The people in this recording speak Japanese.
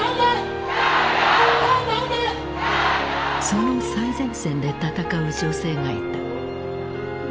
その最前線でたたかう女性がいた。